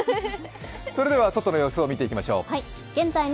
それでは外の様子を見ていきましょう。